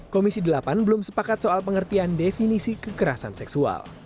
komisi delapan belum sepakat soal pengertian definisi kekerasan seksual